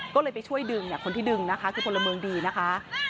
ก็เลยไปช่วยดึงคนที่ดึงนะคะคือพลเมืองดีนะคะ